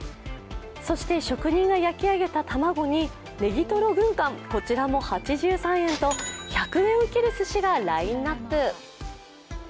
そして職人が焼き上げた玉子にねぎとろ軍艦、こちらも８３円と１００円を切るすしがラインナップ。